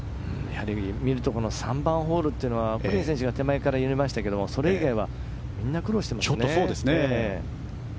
見ると３番ホールというのはコリン選手は手前に入れましたけどそれ以外はみんな苦労していますね。